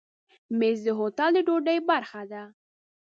مېز د هوټل د ډوډۍ برخه ده.